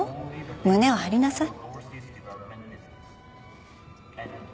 胸を張りなさい。